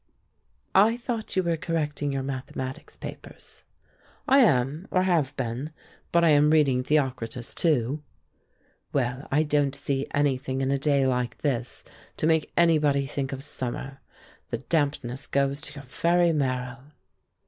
"I thought you were correcting your mathematics papers." "I am, or have been; but I am reading Theocritus, too." "Well, I don't see anything in a day like this to make anybody think of summer. The dampness goes to your very marrow."